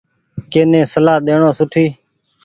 ڪني سلآ ڏيڻو سوٺي۔